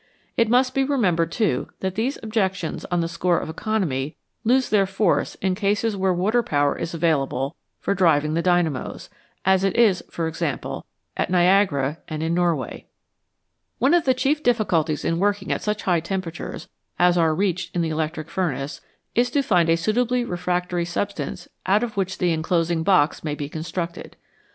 It must be remembered too, that these objec tions on the score of economy lose their force in cases where water power is available for driving the dynamos, as it is, for example, at Niagara and in Norway. One of the chief difficulties in working at such high temperatures as are reached in the electric furnace is to find a suitably refractory substance out of which the enclosing box may be constructed.